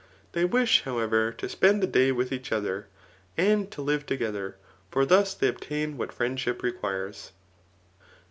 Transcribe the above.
They wish, how ever, to spend the day with each other, and to live toge ther ; for thus they obtain what friendship requires.